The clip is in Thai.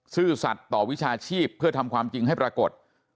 ซื่อสัตว์ต่อวิชาชีพเพื่อทำความจริงให้ปรากฏ